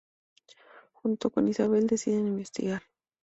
Junto con Isabel, deciden investigar.